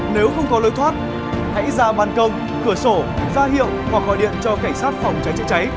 nếu không có lối thoát hãy ra bàn công cửa sổ ra hiệu hoặc gọi điện cho cảnh sát phòng cháy chữa cháy